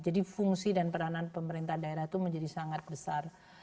jadi fungsi dan peranan pemerintah daerah itu menjadi sangat besar